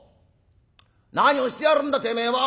何をしてやがるんだてめえは！